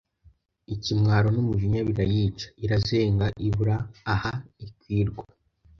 Ikimwaro n'umujinya birayica, irazenga, ibura aha ikwirwa